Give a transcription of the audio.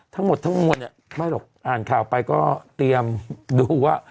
ทั้งหมดทั้งมวลเนี่ยไม่หรอกอ่านข่าวไปก็เตรียมดูว่า